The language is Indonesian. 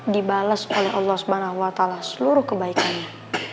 dibalas oleh allah swt seluruh kebaikannya